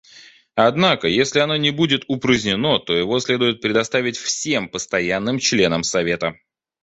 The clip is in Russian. Однако, если оно не будет упразднено, то его следует предоставить всем постоянным членам Совета.